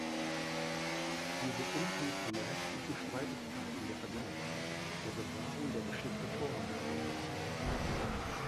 Hier wird unabhängig von rechtlichen Streitigkeiten der Vergangenheit der Bewahrung der Geschichte Vorrang gegeben.